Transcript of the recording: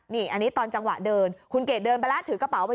นี่อันนี้ตอนจังหวะเดินคุณเกดเดินไปแล้วถือกระเป๋าไป